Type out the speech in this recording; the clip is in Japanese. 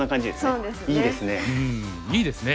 うんいいですね。